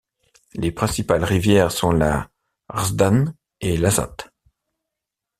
Les principales rivières sont la Hrazdan et l'Azat.